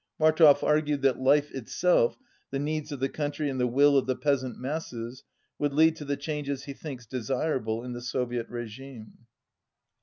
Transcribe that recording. Martov argued that life itself, the needs of the country and the will of the peasant masses, would lead to the changes he thinks desirable in the Soviet regime.